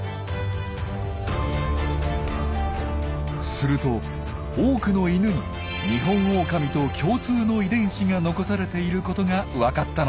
すると多くのイヌにニホンオオカミと共通の遺伝子が残されていることがわかったのです。